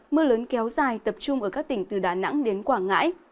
mưa lớn kéo dài tập trung ở các tỉnh từ đà nẵng đến quảng ngãi